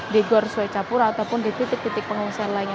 di gorsoi capura ataupun di titik titik pengungsi lainnya